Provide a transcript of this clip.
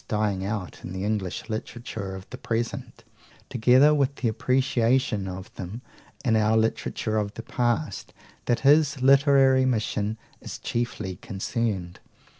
dying out in the English literature of the present, together with the appreciation of them in our literature of the past that his literary mission is chiefly concerned.